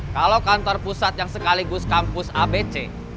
kalau kantor pusat yang sekaligus kampus abc